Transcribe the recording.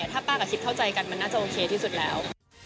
ถ้าป้ากับชิปเข้าใจกันมันน่าจะโอเคที่สุดแล้ว